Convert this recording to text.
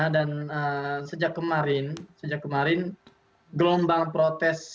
dan sejak kemarin sejak kemarin gelombang protes